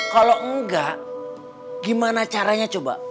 kalau enggak gimana caranya coba